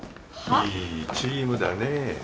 いいチームだねえ